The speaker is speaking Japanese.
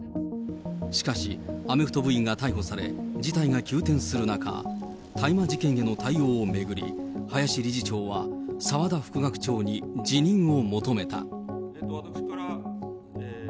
しかし、アメフト部員が逮捕され、事態が急転する中、大麻事件への対応を巡り、林理事長は、澤田副学長に辞任を求めた。